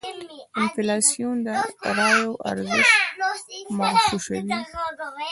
انفلاسیون داراییو ارزش مغشوشوي.